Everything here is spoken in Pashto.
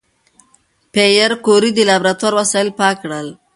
پېیر کوري د لابراتوار وسایل پاک کړل.